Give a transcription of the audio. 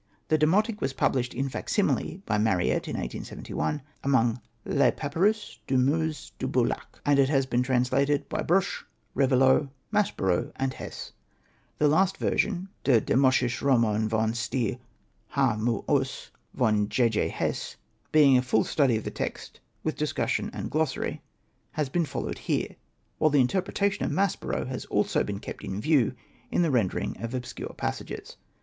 The demotic was published in facsimile by Mariette in 1871, among '' Les Papyrus du Musee de Boulaq ;" and it has been trans lated by Brugsch, Revillout, Maspero, and Hess. The last version —'' Der Demotische Roman von Stne Ha m us, von J. J. Hess" — being a full study of the text with discus sion and glossary, has been followed here ; while the interpretation of Maspero has also been kept in view in the rendering of obscure passages.